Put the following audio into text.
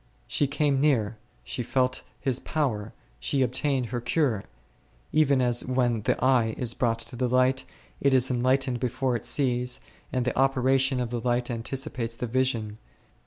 She came near, she felt His power, she obtained her cure ; even as when the eye is brought to the light, it is en lightened before it sees, and the operation of the light anticipates the vision.